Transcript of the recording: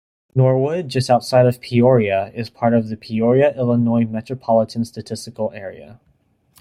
Norwood, just outside Peoria, is part of the Peoria, Illinois Metropolitan Statistical Area.